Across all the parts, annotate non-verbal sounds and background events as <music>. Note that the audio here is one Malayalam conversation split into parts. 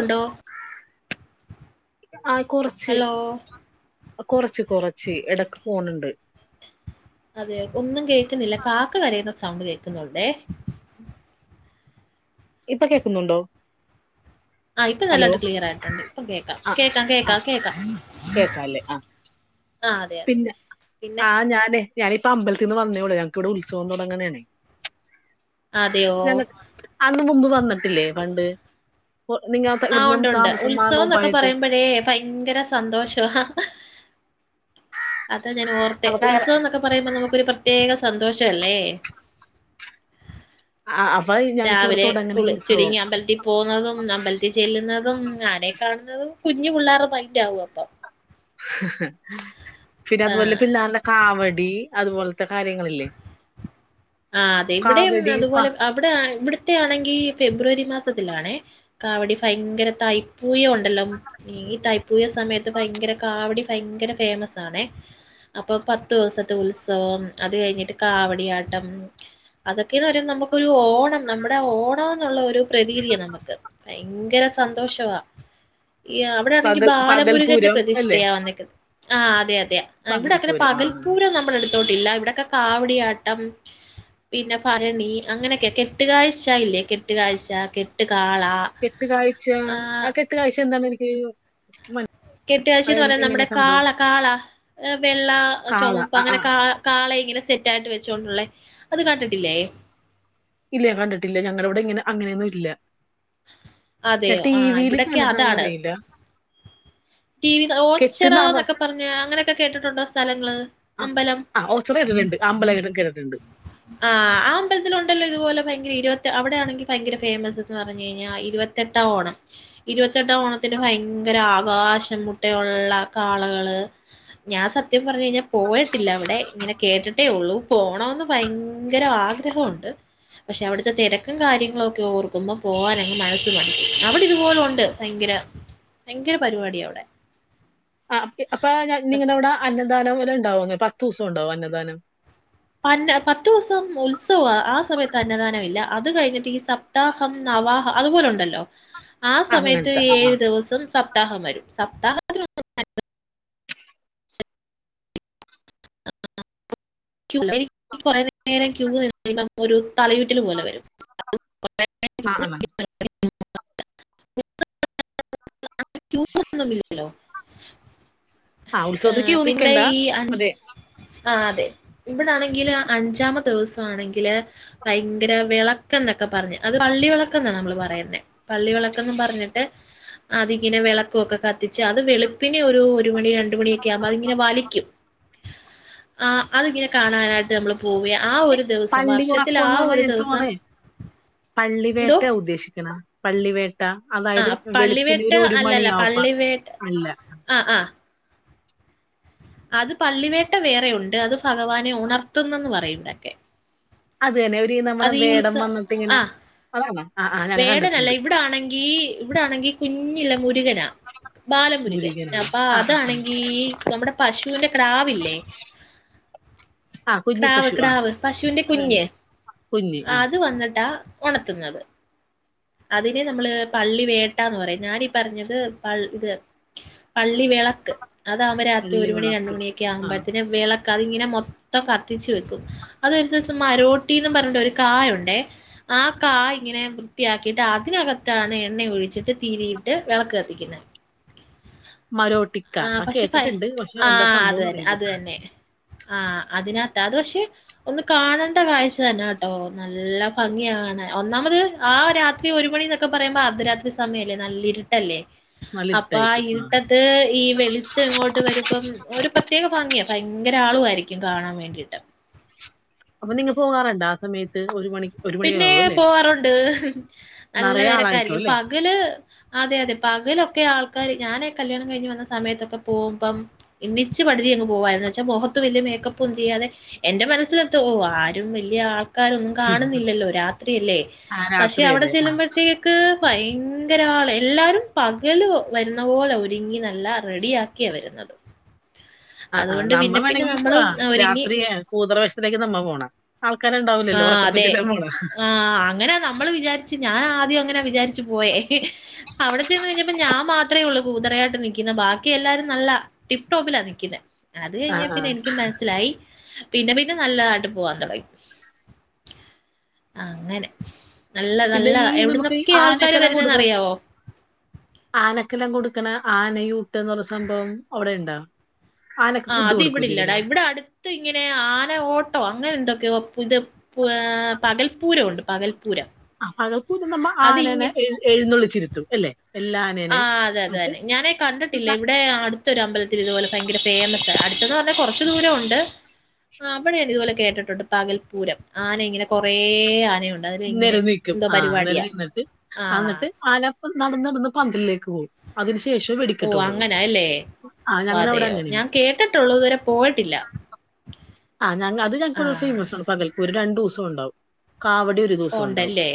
ഉണ്ടോ? ആ കൊറച്ച് ഹലോ? കൊറച്ച് കൊറച്ച് ഇടക്ക് പോണുണ്ട് അതെ ഒന്നും കേക്കുന്നില്ല കാക്ക കരയുന്ന സൗണ്ട് കേ ക്കുന്നൊണ്ടേ ഇപ്പൊ കേക്കുന്നുണ്ടോ ആഹ് ഇപ്പൊ ഹലോ നല്ലായിട്ട് ക്ലിയർ ആയിട്ടുണ്ട് ഇപ്പൊ കേക്കാം ആ കേക്കാം ആ കേക്കാം കേക്കാം കേക്കാല്ലേ ആ ആ അതെ അതെ പിന്നെ ഞാനിപ്പോ അമ്പലത്തിൽ നിന്ന് വന്നേ ഉള്ളൂ ഞങ്ങക്കിവിടെ ഉത്സവം തുടങ്ങണെ അതെയോ അന്ന് മുമ്പ് വന്നിട്ടില്ലേ പണ്ട് ഓ, നിങ്ങ ത- ആഹ് ഇവിടുന്ന് ഉണ്ട് ഉണ്ട് താമസം മാറുന്ന ഉത്സവം എന്നൊക്കെ മുമ്പായിട്ട് പറയുമ്പഴേ ഭയങ്കര സന്തോഷവാ <unintelligible> ഞാൻ ഓർത്തെ അവ ഉത്സവം എന്നൊക്കെ പറയുമ്പോ നമുക്കൊരു പ്രത്യേക സന്തോഷല്ലേ ആ അ രാവിലെ കുളിച്ചൊരുങ്ങി അമ്പലത്തിൽ പോന്നതും അമ്പലത്തിൽ ചെല്ലുന്നതും ആനെ കാണുന്നതും കുഞ്ഞു പിള്ളേര മൈന്റ് ആകും അപ്പൊ <inaudible> പിന്നെ അതുപോലെ ആഹ് പിള്ളേരുടെ കാവടി അതുപോലെ ത്തെ കാര്യങ്ങളില്ലേ ആ അതെ ഇവിടെയും കാവടി പ അതുപോലെ അവിടെ ഇവിടത്തെ ആണെങ്കി ഫെബ്രുവരി മാസത്തിലാണേ കാവടി ഭയങ്കര തൈപ്പൂയ ഉണ്ടല്ലോ ഈ തൈപ്പൂയ സമയത്ത് ഭയങ്കര കാവടി ഭയങ്കര ഫേമസ് ആണേ അപ്പൊ പത്തു ദിവസത്തെ ഉത്സവം അത് കഴിഞ്ഞിട്ട് കാവടിയാട്ടം <unintelligible> അതൊക്കെയന്ന് പറയുമ്പ നമുക്കൊരു ഓണം നമ്മുടെ ഓണ ള്ളൊരു പ്രതീതിയ നമുക്ക് ഭയങ്കര സന്തോഷമാ ഈ അവിടെ ആണെങ്കി പകൽ ബാലമുരുകന്റെ പകൽപൂരം അല്ലേ പ്രതിഷ്ഠയാ വന്നേക്ക് ആ അതെ അതെ അ ഇവിടെ അങ്ങനെ പകൽപൂരം ആ പകൽ പൂരം നമ്മളടു ട്ടില്ല ഇവിടൊക്കെ കാവടിയാട്ടം പിന്നെ ഭരണി അങ്ങനെയൊക്കെ കെട്ടുകാഴ്ച ഇല്ലേ കെട്ടുകാഴ്ച കെട്ട് കെട്ട് കാഴ്ച ആ കെട്ട് കാഴ്ച എന്താ അയ്യോ കെട്ട് കാഴ്ചേന്ന് പറയുന്ന നമ്മുടെ കാള കാള വെള്ള കാള ചുമപ്പ് ആ ആ അങ്ങനെ കാ കാള ഇങ്ങനെ സെറ്റ് ആയിട്ട് വെച്ചോണ്ടുള്ള അത് കണ്ടിട്ടില്ലേ ഇല്ല കണ്ടിട്ടില്ല ഞങ്ങള ഇവിടെ ഇങ്ങനെ അങ്ങനെയൊന്നും ഇല്ല ഞാൻ അതെയോ ടി ആഹ് വിയിൽ ഇവിടൊക്കെ അതാണ് കണ്ടിട്ടാന്നറിയില്ല ടി വി കെട്ട് ഓച്ചിറ നറ എന്നൊക്കെ പറഞ്ഞ് അങ്ങനെയൊക്കെ കേട്ടിട്ടുണ്ടോ സ്ഥലങ്ങൾ ആ അമ്പലം ആ ഓച്ചറ കേട്ടിട്ടുണ്ട് അമ്പലം കേട്ടിട്ടുണ്ട് ആ ആ അമ്പലത്തില ഉണ്ടല്ലോ ഇതുപോലെ ഭയങ്കര ഇരുപത്തി അവിടെയാണെങ്കിൽ ഭയങ്കര ഫേമസ് എന്ന് പറഞ്ഞ കഴിഞ്ഞാൽ ഇരുപത്തെട്ടാം ഓണം ഇരുപത്തെട്ടാം ഓണത്തിന്റെ ഭയങ്കര ആകാശ മുട്ടയുള്ള കാളകള് ഞാൻ സത്യം പറഞ്ഞ് കഴിഞ്ഞാൽ പോയിട്ട് ട്ടില്ല അവിടെ ഇങ്ങനെ കേട്ടിട്ടേ ഉള്ളൂ പോണമന്ന് ഭയങ്കര ആഗ്രഹമുണ്ട് പക്ഷെ അവിടുത്തെ തിരക്കും കാര്യങ്ങളുമൊക്കെ ഓർക്കുമ്പോൾ പോകാനങ്ങ് മനസ്സ് മടുക്കും അവിടെ ഇതുപോലും ഉണ്ട് ഭയങ്കര ഭയങ്കര പരിപാടി അവിടെ ആ അപ്പൊ നിങ്ങളവിടെ അന്നദാനം പോലെ ഉണ്ടാവുന്നേ പത്ത് ദിവസം ഉണ്ടാവും അന്നദാനം പന്ന പത്ത് ദിവസം ഉത്സവ ആ സമയത്ത് അന്നദാനമില്ല അത് കഴിഞ്ഞിട്ട് ഈ സപ്താഹം നവാഹം അതുപോലെ ഉണ്ടല്ലോ ആ സമയത്ത് അങ്ങനത്തെ ആ ഏഴു ആ ദിവസം സപ്താഹം വരും സപ്താഹം- അ <unintelligible> <unintelligible> നി കൊറെ നേരം ക്യൂ് നിന്ന ഒരു തലയൂട്ടില് പോലെ വരും ആ ആ <inaudible> ക്യൂ ഒന്നും ഇല്ലല്ലോ <inaudible> ആഹ് ഉത്സവത്തിന് ക്യു നിക്കണ്ട അഞ്ച് അതെ ആ അതെ ഇവിടാണെങ്കില് അഞ്ചാമത്തെ ദിവസം ആണെങ്കില് ഭയങ്കര വിളക്ക് എന്നൊക്കെ പറഞ്ഞ് അത് പള്ളി വിളക്ക് എന്നാ നമ്മൾ പറയുന്നേ പള്ളി വിളക്കെന്നും പറഞ്ഞിട്ട് അതിങ്ങനെ വിളക്കൊക്കെ കത്തിച്ച് അത് വെളുപ്പിനെ ഒരു ഒരു മണി രണ്ട് മണിയൊക്കെ ആകുമ്പോ അതിങ്ങനെ വലിക്കും ആ അതിങ്ങനെ കാണാനായിട്ട് നമ്മൾ പോവ്യെ ആ ഒരു ദിവസം പള്ളി വർഷത്തിൽ ആ ഉറക്കംന്ന് ഒരു പറഞ്ഞാ എൻ ദിവസം തോണേ പള്ളിവേട്ട ഉദ്ദേശിക്കണ പള്ളിവേട്ട ആ അതായത് വെളുപ്പിന് ഒരു പള്ളിവേട്ട് ഒരു അല്ലല്ല മണിയാവുമ്പ പള്ളിവേട് അല്ല ആഹ് ആഹ് അത് പള്ളിവേട്ട വേറെ ഉണ്ട് അത് ഭഗവാനെ ഉണർത്തുന്നന്ന് പറയും ഇവിടെക്കെ അത് തന്നെ നമ്മുടെ വേടൻ വന്നിട്ട് ഇങ്ങനെ ആഹ് അതാണോ വേടനല്ല ഇവിടാണെങ്കി ഇവിടൊണെങ്കി കുഞ് നിളമ്പൂരു മുരുകനാ ബാലമുരുകൻ മുരുകനാണ് അപ്പൊ ആ ആ അതാണെങ്കി നമ്മുടെ പശുവിന്റെ ക്ടാവില്ലേ ആ കുഞ്ഞി ക്ടാവ് പശു ആ ക്ടാവ് പശുവിന്റെ അതാണ് കുഞ്ഞ് കുഞ്ഞി ആ അത് വന്നിട്ടാ ഉണത്തുന്നത് അതിനെ നമ്മള് പള്ളി വേട്ടാന്ന് പറയും ഞാനീ പറഞ്ഞത് പ ഇത് പള്ളി വിളക്ക് അതാവുമ്പോ രാത്രി വെള്ളി ഒരു മണി രണ്ട് വിളക്ക് മണിയൊക്കെ ആ ആവുമ്പോഴ്ത്തേന് വിള കഴ്ങ്ങിനെ മൊത്തം കത്തിച്ചു വെക്കും. അത് സെയ്‌സ് മരോട്ടീന്നും പറഞ്ട്ട് ഒരു കായുണ്ട് ആ കായ് ഇങ്ങനെ വൃത്തിയാക്കിട്ട് അതിനകത്താണ് എണ്ണ ഒഴിച്ചിട്ട് തിരിയിട്ട് വെളക്ക് കത്തിക്കുന്നേ. മരോട്ടിക്ക ആ കേട്ടിട്ട് ണ്ട്. പക്ഷെ ആ എന്താ അത് സംഭവന്ന് തന്നെ അറീല. അത് തന്നെ ആഹ് അതിനകത്ത് അത് പക്ഷെ ഒന്ന് കാണേണ്ട കാഴ്ച തന്നാട്ടോ നല്ല ഭംഗിയാകാണൻ. ഒന്നാമത് ആ രാത്രി ഒരു മണിന്നൊക്കെ പറയുമ്പോ അർധരാത്രി സമയല്ലേ നല്ല ഇര്ട്ടല്ലേ. നല്ല അപ്പൊ ഇരുട്ടായിരിക്കും ആ ഇര്ട്ടത്ത് ഈ വെളിച്ചം ഇങ്ങോട്ട് വരുമ്പം ഒരു പ്രത്യേക ഭംഗിയാ ഭയങ്കര ആളു ആയിരിക്കും കാണാൻ വേണ്ടീട്ട്. അപ്പ നിങ്ങ പോകാറ്ണ്ടാ? സമയത്ത് ഒരു മണി ഒരു പിന്നേ മണിയാവും അല്ലേ പോവാറുണ്ട്. നിറയെ ആളായിക്കോ നല്ലതെരക്കായിയിരിക്കു. അല്ലേ പകല് അതെ അതെ പകലൊക്കെ ആൾക്കാര് ഞാനെ കല്യാണം കഴിഞ്ഞ് വന്ന സമയത്തൊക്കെ പോകുമ്പം എണ്ണിച്ച് പഠുതി അങ്ങ് പോവായിന്ന് വെച്ചാ മുഖത്ത് വലിയ മേക്കപ്പും ചെയ്യാതെ എന്റെ മനസ്സിലെത്ത ഓ ആരും വലിയ ആ ൾക്കാരൊന്നും കാണ കാണുന്നില്ലല്ലോ രാത്രിയല്ലേ ആ പക്ഷെ അവിടെ രാത്രിയല്ലേ ആ ചെല്ലുമ്പോഴത്തേക്ക് ഭയ ങ്കര ആള് എല്ലാരും പകല് വരുന്ന പോലെ ഒരുങ്ങി നല്ല റെഡി ആക്കിയാ വരുന്നത്. ആ ആ അതുകൊണ്ട് നമ്മ പിന്നെ പിന്നെ വേണങ്കി പോവ നമ്മള് ഒരുങ്ങി രാത്രി കൂതറ വേഷത്തിലാ നമ്മ പോണ ആ ആൾക്കാരുണ്ടാവില്ലല്ലോ അതെ ഉറക്കപ്പിച്ചില്ല ആഹ് അങ്ങനെ നമ്മള് വിചാരിച്ച് ഞാനാദ്യം അങ്ങനെ വിചാരിച്ച് പോയേ അവിടെ ചെന്ന് കഴിഞ്ഞപ്പോ ഞാൻ മാത്രേ ഉള്ളൂ കൂതറയായിട്ട് നിക്കിന്നേ ബാക്കി എല്ലാരും നല്ല ടിപ്ടോപ്പിലാ നിക്കിന്നേ. അത് ആ കഴിഞ്ഞാ ആ പിന്നെ എനിക്കും മനസ്സിലായി പിന്നെ പിന്നെ നല്ലതാട്ട് പോവാൻ തൊടങ്ങി അങ്ങനെ നല്ല പിന്നെ നല്ല ഈ നമുക്ക് ഈ എവിടുന്നൊക്കേ ആൾക്കാര് ആനക്കെല്ലാം വരുന്നേന്ന് കൊടുക്കണ അറിയാവോ ക്കണ ആനയൂട്ട്ന്ന് പറയണ സംഭവം അവിടെണ്ടോ ആ അത് ഇവിടില്ലടാ ഇവിടെ അട്ത്ത് ഇങ്ങനെ ആന ഓട്ടോ അങ്ങനെ എന്തൊക്ക ഇത് പുത പ് ആ പകൽപ്പൂരവുണ്ട് പകൽ ആ പകൽ പൂരം നമ്മ ആനനെ എഴ് എഴുന്നള്ളിച്ചിരുത്തും അല്ലെ ആഹ് അതെ അതെ അതന്നെ ഞാനേ കണ്ടിട്ടില്ല ന- ഇവിടെ അട് തൊരമ്പല ത്തിൽ ഇത്പോലെ ഭയങ്കര ഫേമസാ അടുത്ത്ന്ന് പറഞ്ഞാ കൊറ ച്ച് ദൂരം ഉണ്ട് അവിടെ ഞാൻ ഇതുപോലെ കേട്ടിട്ടുണ്ട് പകൽപ്പൂരം ആന ഇങ്ങനെ കൊറേ ആനയുണ്ട് അതിൽ ഇങ്ങനെ നെരന്ന് നിക്കും എന്തോ ആ പരിപാടിയാ നെരന്നിട്ട് ആ അന്ന്ട്ട് ആന നടന്നടന്ന് പന്തലിലേക്ക് പോകും അതിന് ശേ ഓ അങ്ങനെ അല്ലേ ആ ഞങ്ങളുടെ അവിടെ അതെയോ അങ്ങനെയാണ് ഞാൻ കേട്ടിട്ടുള്ളൂ ഇത് വരെ പോയിട്ടില്ല. ആ ഞങക് അത് ആ ഞങ്ങൾക്ക് ഫേമസ് ആ പകൽപ്പ് ഒരു രണ്ടുസം ഉണ്ടാവും കാവടി ഒരു ഓ, ദിവസം ഇണ്ടാവും ഉണ്ടല്ലേ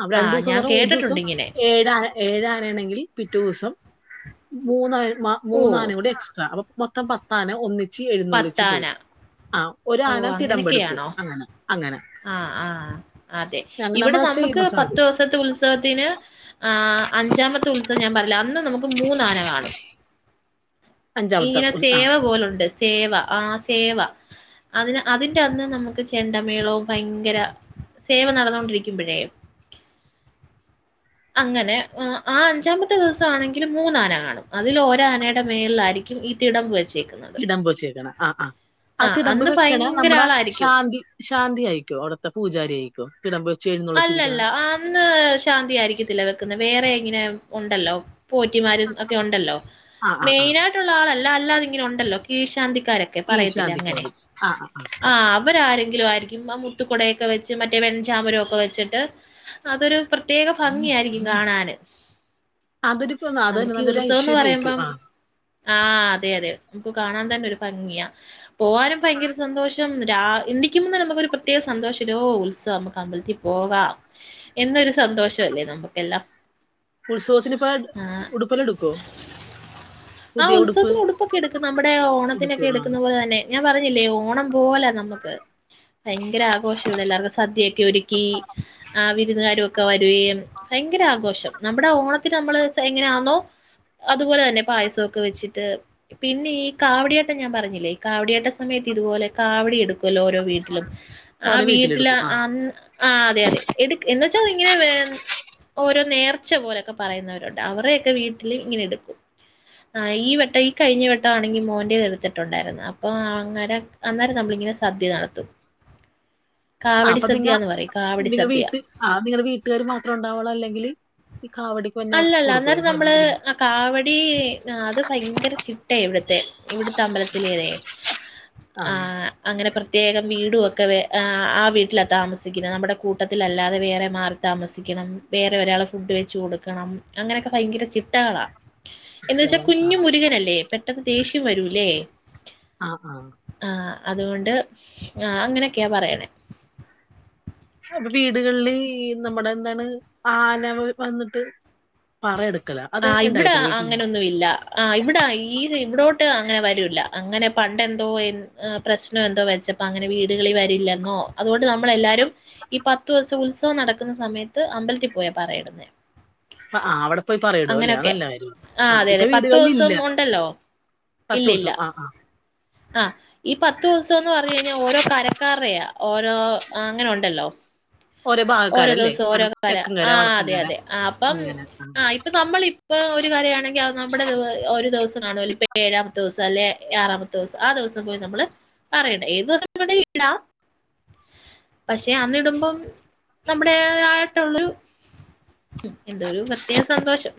അപ്പ ആ രണ്ടോസംന്ന് ഞാൻ പറ ഒരു ദിവസം കേട്ടിട്ടുണ്ട് ഇങ്ങനെ ഏഴ് ആന ഏഴ് ആന ആണെങ്കിൽ പിറ്റ ദിവസം മൂന്നാൾ മ ഓ മൂന്ന ആാന കൂടെ എക്സ്ട്രാ അപ്പെ മൊത്തം പത്താന ഒന്നിട്ട് ഉച്ചി എഴുന്നള്ളച്ച് പത്താന പോവും ആഹ് ഓ അങ്ങനെയൊക്കെയാണോ അങ്ങനെ ആഹ് ആഹ് അതെ ഞങ്ങ ഇവിടെ നമ്മളെ നമുക്ക് ഫേമസ് ആണ് പത്ത് ഇത് ദിവസത്തെ ഉത്സവത്തിന് ആഹ് അഞ്ചാമത്തെ ഉത്സം ഞാൻ പറില്ല അന്ന് നമുക്ക് മൂന്നാന കാണും അഞ്ചാമത്തെ ഇങ്ങനെ ഉൽ ആ സേവ പോലുണ്ട് സേവ ആഹ് സേവ അതിന് അതിന്റെ അന്ന് നമ്മക്ക് ചെണ്ട മേളോ ഭയങ്കര സേവ നടന്നുകൊണ്ടിരിക്കുമ്പോഴേ അങ്ങനെ ആഹ് അഞ്ചാമത്തെ ദിവസണെങ്കിൽ മൂന്ന് ആന കാണും അതിൽ ഒരാനെടെ മേളിലായിരിക്കും ഈ തിടമ്പ് വെ ഇടം പോച്ചേക്ക്ണെ ആഹ് ആഹ് ആഹ് അത്തി ഡമ്പ് അന്ന് വെക്കണ ഭയങ്കര നമ്മുടെ ആളായിരിക്കും ശാന്തി ശാന്തിയായിട്ട് അവിടത്ത പൂജാരിആയിരിക്കൊ തിടംമ്പ് <unintelligible> അല്ലല്ല അന്ന് ശാന്തി ആയിരിക്കത്തില്ല വെക്കുന്നെ വേറെ ഇങ്ങനെ ഉണ്ടല്ലോ പോറ്റിമാരും ഒക്കെ ഒണ്ടല്ലോ ആ ആ ആ മെയിനായിട്ടുള്ള ആള അല്ലാതിങ്ങനെ ഉണ്ടല്ലോ കീഴ് ശാന്തി <unintelligible> ഈ പറയത്തില്ലെ അങ്ങനെ ശാന്തിക്കാരി ആ ആ അവരാരെങ്കിലും ആയിരിക്കും മുത്തു കുടയൊക്കെ വെച്ച് മറ്റേ വെചാമരം വെച്ചിട്ട് അതൊരു പ്രത്യേക ഭംഗിയായിരിക്കും കാണാന് അതൊരു ഇപ്പൊ അതന്നെ നമു‌ക്കി നല്ലൊരു ഉത്സവംന്ന് ഐശ്വര്യം ആയിരിക്കും പറയുമ്പം ആ ആഹ അതെ അതെ നമുക്ക് കാണാൻ തന്നെ ഒരു ഭംഗിയ പോകാനും ഭയങ്കര സന്തോഷം <unintelligible> പോകാം എന്നൊരു സന്തോഷല്ലേ നമ്മുക്കെല്ലാം ഉത്സവത്തിന് ഇപ്പൊ ആ ഉടുപ്പെല്ലാം എടുക്കോ ആ പുതിയ ഉടുപ്പ് ഉത്സവത്തിന് ഉടുപ്പൊക്കെ എടുക്കും നമ്മുടെ ഓണത്തിനൊക്കെ എടുക്കും ആ എടുക്കുന്ന പോലെ തന്നെ. ഞാൻ പറഞ്ഞില്ലേ ഓണം പോലെ നമ്മുക്ക് ഭയ ആഘോഷ <unintelligible> സദ്യക്കെ ഒരു‌ക്കി ആ വിരുന്ന് വീട്ടുകാരൊക്കെ വരുകയും ഭയങ്കര ആഘോഷം നമ്മുടെ ഓണത്തിന് നമ്മൾ എങ്ങനെയാന്നോ അതുപോലെ തന്നെ പായസമൊക്കെ വെച്ചിട്ട് പിന്നെ ഈ കാവടിയാട്ടം ഞാൻ പറഞ്ഞില്ലേ കാവടിയാട്ട സമയത്ത് ഇതുപോലെ കാവടി എടുക്കും ഓരോ വീട്ടിലും ആ ഓരോ വീട്ടില് വീട്ടിലെടുക്കും ആ അ ആ അതെ അതെ എ എ വെച്ചാൽ ഇങ്ങനെ ഓരോ നേർച്ച പോലൊക്കെ പറയുന്നവരുണ്ട് അവര്ടൊക്കെ വീട്ടിൽ ഇങ്ങനെ എടുക്കും ആ ഈ വട്ടം ഈ കഴിഞ്ഞ വെട്ട ആണെങ്കിൽ മോൻ എടുത്തിട്ടുണ്ടായിരുന്നു അപ്പൊ അങ്ങന അന്നേരം നമ്മള ഇങ്ങനെ സദ്യ നടത്തും ആ കാവടി അപ്പൊ നിങ്ങ സദ്യന്ന് പറയും കാവടി നിങ്ങ സദ്യ വീട്ട ആ നിങ്ങളടെ വീട്ടുകാർ മാത്രം ഉണ്ടാവുള്ളൂ അല്ലെങ്കില് അല്ലല്ല അന്നേരം നമ്മള് ആ കാവടി അത് ഭയങ്കര ചിട്ട ഇവിടത്തെ ഇവിടെത്തെ അമ്പലത്തിലെ ആ അങ്ങനെ പ്രത്യേകം വീടും ഒക്കെ ആ വീട്ടിലാണ് താമസിക്കുന്നത് നമ്മുടെ കൂട്ടത്തിലല്ലാതെ വേറെ മാറി താമസിക്കണം വേറെ ഒരാള് ഫുഡ് വെച്ച് കൊടുക്കും ക്കണം അങ്ങനെയൊക്കെ ഭയങ്കര ചിട്ടകളാ എന്നുവെച്ചാൽ ഇഷ്ടമാണ്. കുഞ്ഞു ആ മുരുകനല്ലേ പെട്ടെന്ന് ദേഷ്യം വരൂല്ലേ ആഹ ആഹ ആഹ് അതുകൊണ്ട് ആ അങ്ങനെയൊക്കെയ പറയണേ അപ്പൊ വീടുകളില് നമ്മടെ എന്താണ് ആന വന്നിട്ട് പറ എടുക്ക ആ ഇവിടെ അങ്ങനൊന്നും ഇല്ല ആ ഇവിടെ ഈത് ഇവിടോട്ട് അങ്ങനെ വരൂല്ല അങ്ങനെ പണ്ടെന്തോ പ്രശ്നം എന്തോ വെച്ചപ്പോ അങ്ങനെ വീടുകളി വരില്ലെന്നോ അതുകൊണ്ട് നമ്മൾ എല്ലാവരും ഈ പത്തു ദിവസം ഉത്സവം നടക്കുന്ന സമയത്ത് അമ്പലത്തിൽ പോയ പറയിടുന്നേ ആ ആ അവിടെ പോയി പറയിടും അല്ലേ ആ അങ്ങനെയൊക്കെ നല്ല കാര്യം ആഹ ആ അതെ ഇപ്പൊ അതെ പത്ത് വീടുകളിൽ ദിവസം ഇല്ല ഉണ്ടല്ലോ പത്ത് ഇല്ലല്ല ദിവസം ആ ആ ആഹ ഈ പത്ത് ദിവസംന്ന് പറഞ്ഞ കഴിഞ്ഞാൽ ഓരോ കരക്കാർടെ ഓരോ അങ്ങനെ ഉണ്ടല്ലോ ഓരോ ഭാഗക്കാരല്ലേ ദിവസം ഓരോ തെക്കും കര ആ വടക്കും അതെ കര അതെ ആ അപ്പം അങ്ങനെ ആ ഇപ്പൊ നമ്മളിപ്പ ഒരു കര ആണെങ്കിൽ നമ്മുടെ ഇതു ഒരു ദിവസം കാണുവാല്ലോ ഇപ്പ ഏഴാമത്തെ ദിവസം അല്ലെ ആറാമത്തെ ദിവസം ആ ദിവസം പോയി നമ്മള് പറ ഇടും ഏത് ദിവസം ഇടാം പക്ഷെ അന്നിടുമ്പം നമ്മുടെതായിട്ടുള്ളൊരു എന്തോ ഒരു പ്രേത്യേക സന്തോഷം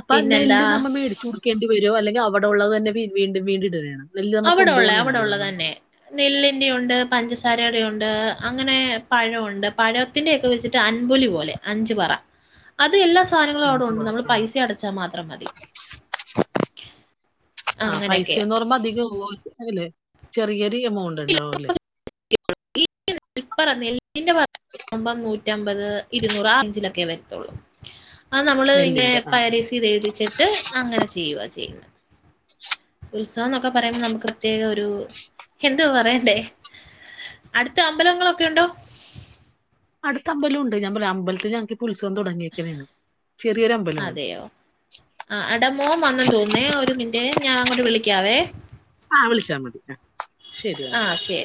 അപ്പൊ പിന്നെന്താ നെല്ല് നമ്മൾ മേടിച്ചു കൊടുക്കേണ്ടി വരോ അല്ലെങ്കിൽ അവ അവിടെ ഉള്ളത് തന്നെ വീണ്ടും വീണ്ടും ഇടുണെ ആണ് അവിടെള്ളേ അവിടെള്ളേ തന്നെ നെല്ല് പഞ്ചസാരയുടെണ്ട് അങ്ങനെ പഴോണ്ട് പഴത്തിന്റെ ഒക്കെ വെച്ചിട്ട് അൻപൊലി പോലെ അഞ്ചു പറ അത് എല്ലാ എല്ലാ സാധനങ്ങളും അവിടെ അഞ്ച് ഉണ്ട് നമ്മൾ കുറച്ച് പൈസ അടച്ചാൽ മാത്രം മതി അങ്ങനെയൊക്കെയാ ചെറിയ അധിക എമൗണ്ട് ഉണ്ടാവും അല്ലേ നെല്ലിന്റെ പറയുമ്പോ നൂറ്റമ്പത് ഇരുന്നൂറ് ആ റേഞ്ചിലൊക്കെ വരത്തുള്ളൂ അ നമ്മള് ഇങ്ങനെ നെല്ലിന്റെ ആ പരിസി എഴുതിച്ചിട്ട് അങ്ങനെ ചെയ്യുക ചെയ്യുന്നത് ഉത്സവം എന്നൊക്കെ പറയുമ്പോൾ നമുക്ക് പ്രത്യേക ഒരു എന്തുവാ പറയണ്ടേ അടുത്ത അമ്പലങ്ങളൊക്കെ ഉണ്ടോ സ്മ്പലംുണ്ട് ഞ അമ്പലത്തില് ഞങ്ങക്ക് ഉത്സവം തുടങ്ങിയക്കെയാണ് അതെയോ ആ ഇടമോ വന്ന തോന്നേ ഒരു മിനി േ ഞാൻ അങ്ങോട്ട് വിളിക്കാവേ ആഹ് വിളിച്ചാൽ മതി ആ ശരിയാൽ ആ ശരി